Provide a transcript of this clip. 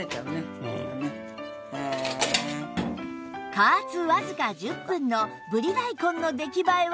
加圧わずか１０分のぶり大根の出来栄えは？